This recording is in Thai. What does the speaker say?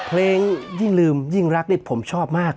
เพลงยิ่งลืมยิ่งรักผมชอบมาก